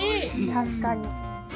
確かに！